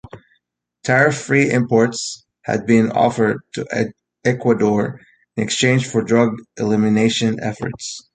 Tariff free imports had been offered to Ecuador in exchange for drug elimination efforts.